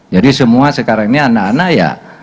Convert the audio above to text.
jadi semua sekarang ini anak anak ya